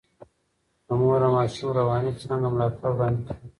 د مور او ماشوم رواني څانګه ملاتړ وړاندې کوي.